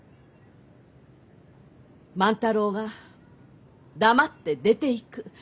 万太郎が黙って出ていく。